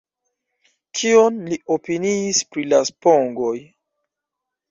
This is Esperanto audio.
Kion li opiniis pri la spongoj?